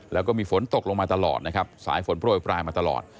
แล้วก็มีฝนตกลงมาตลอดสายฝนโปรดไปมาตลอด